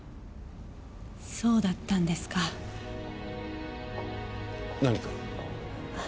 そうだったんですか。何か？